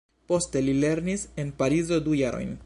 Poste li lernis en Parizo du jarojn.